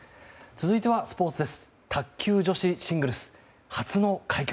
続いてはスポーツです。